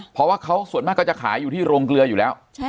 เพราะว่าเขาส่วนมากก็จะขายอยู่ที่โรงเกลืออยู่แล้ว